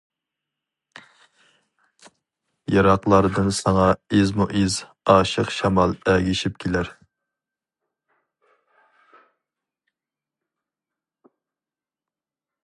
يىراقلاردىن ساڭا ئىزمۇ-ئىز، ئاشىق شامال ئەگىشىپ كېلەر.